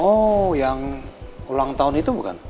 oh yang ulang tahun itu bukan